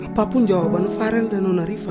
apapun jawaban farel dan nonariva